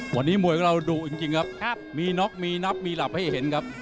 วันนี้มวยของเราดุจริงครับมีน็อกมีนับมีหลับให้เห็นครับ